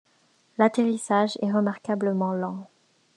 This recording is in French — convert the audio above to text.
L'atterrissage est remarquablement lent.